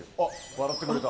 笑ってくれた。